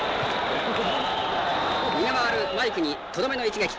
逃げ回るマイクにとどめの一撃。